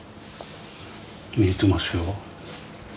見えてますよ。